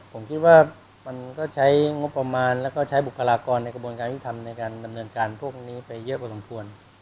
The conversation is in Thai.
ผมคิดว่ามันก็ใช้งบประมาณแล้วก็ใช้บุคลากรในกระบวนการยุทธรรมในการดำเนินการพวกนี้ไปเยอะพอสมควร